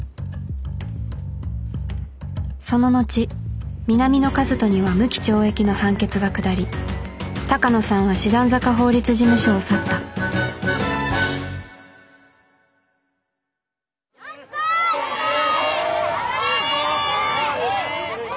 その後南野一翔には無期懲役の判決が下り鷹野さんは師団坂法律事務所を去ったよし来い！